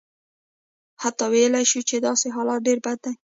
حتی ویلای شو چې داسې حالت ډېر بد دی.